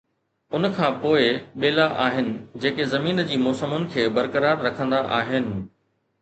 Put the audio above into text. ان کان پوءِ ٻيلا آهن جيڪي زمين جي موسمن کي برقرار رکندا آهن.